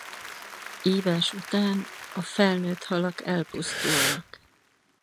Ívás után a felnőtt halak elpusztulnak.